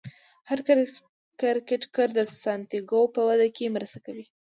هر کرکټر د سانتیاګو په وده کې مرسته کوي.